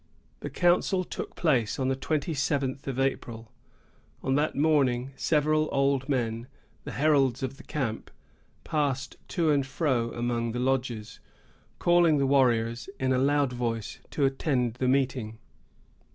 The council took place on the twenty seventh of April. On that morning, several old men, the heralds of the camp, passed to and fro among the lodges, calling the warriors, in a loud voice, to attend the meeting.